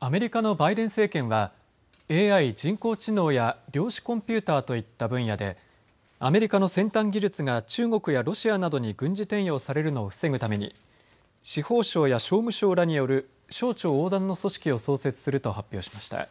アメリカのバイデン政権はＡＩ・人工知能や量子コンピューターといった分野でアメリカの先端技術が中国やロシアなどに軍事転用されるのを防ぐために司法省や商務省らによる省庁横断の組織を創設すると発表しました。